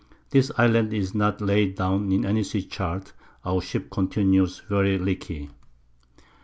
This Island is not laid down in any Sea Chart; our Ship continues very leaky.